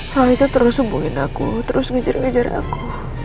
roy itu terus hubungin aku terus ngejar ngejar aku